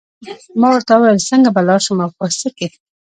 ما ورته وویل څنګه به لاړ شم او په څه کې.